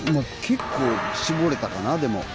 結構搾れたかなでも。